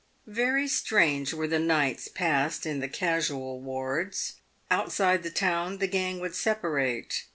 Very strange were the nights passed in the casual wards. Outside the town the gang would separate.